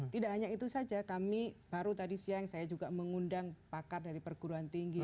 tidak hanya itu saja kami baru tadi siang saya juga mengundang pakar dari perguruan tinggi